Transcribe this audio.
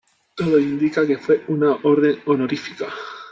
Todo indica que fue una orden honorífica.